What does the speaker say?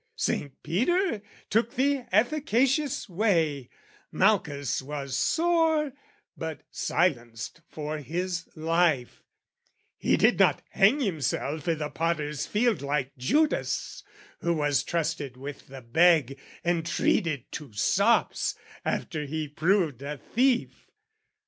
Saint Peter took the efficacious way; Malchus was sore but silenced for his life: He did not hang himself i' the Potter's Field Like Judas, who was trusted with the bag And treated to sops after he proved a thief.